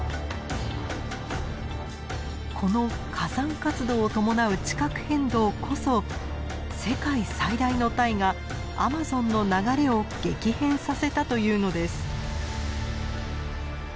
この火山活動を伴う地殻変動こそ世界最大の大河アマゾンの流れを激変させたというのです。